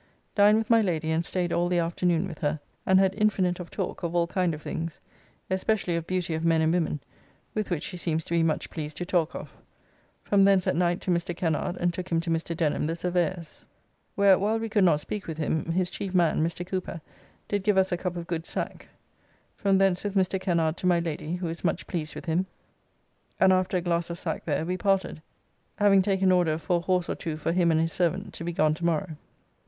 Dined with my Lady and staid all the afternoon with her, and had infinite of talk of all kind of things, especially of beauty of men and women, with which she seems to be much pleased to talk of. From thence at night to Mr. Kennard and took him to Mr. Denham, the Surveyor's. Where, while we could not speak with him, his chief man (Mr. Cooper) did give us a cup of good sack. From thence with Mr. Kennard to my Lady who is much pleased with him, and after a glass of sack there; we parted, having taken order for a horse or two for him and his servant to be gone to morrow.